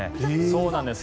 そうなんです